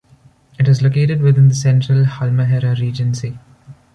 It is located within the Central Halmahera Regency.